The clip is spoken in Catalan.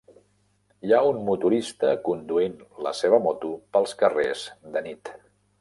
Hi ha un motorista conduint la seva moto pels carrers de nit.